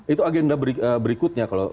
itu agenda berikutnya